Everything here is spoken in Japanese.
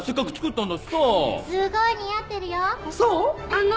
・あの。